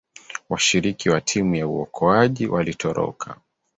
washiriki wa timu ya uokoaji walitoroka